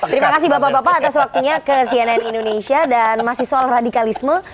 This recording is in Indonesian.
terima kasih bapak bapak atas waktunya ke cnn indonesia dan masih soal radikalisme